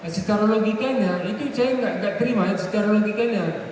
sekarang logikanya itu saya tidak terima ya sekarang logikanya